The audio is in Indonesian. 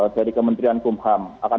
dari kementerian kumpulkan kehidupan